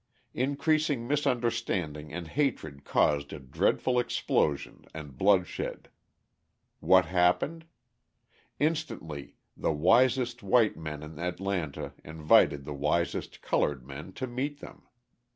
Increasing misunderstanding and hatred caused a dreadful explosion and bloodshed. What happened? Instantly the wisest white men in Atlanta invited the wisest coloured men to meet them.